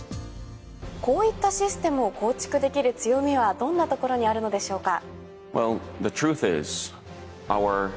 こういったシステムを構築できる強みはどんなところにあるのでしょうか？